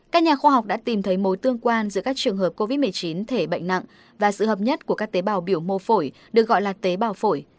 các nhà khoa học đã tìm thấy mối tương quan giữa các trường hợp covid một mươi chín thể bệnh nặng và sự hợp nhất của các tế bào biểu mô phổi được gọi là tế bào phổi